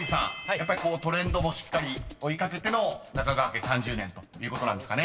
やっぱりトレンドもしっかり追い掛けての中川家３０年ということですかね］